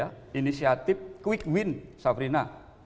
ada tiga inisiatif quick win sabrina